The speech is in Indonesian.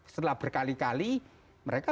setelah berkali kali mereka